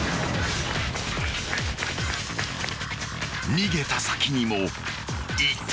［逃げた先にもいた］